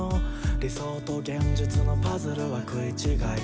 「理想と現実のパズルは食い違い」